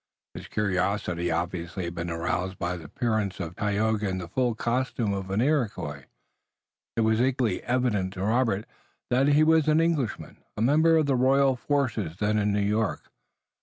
His curiosity obviously had been aroused by the appearance of Tayoga in the full costume of an Iroquois. It was equally evident to Robert that he was an Englishman, a member of the royal forces then in New York.